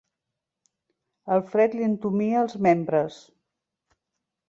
El fred li entumia els membres.